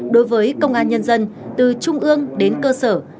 đối với công an nhân dân từ trung ương đến cơ sở